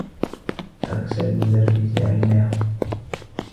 عكس المدرّس عيناه.